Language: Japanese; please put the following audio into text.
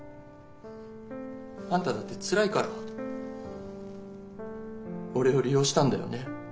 あんただってつらいから俺を利用したんだよね？